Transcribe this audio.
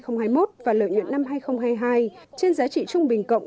năm hai nghìn hai mươi một và lợi nhuận năm hai nghìn hai mươi hai trên giá trị trung bình cộng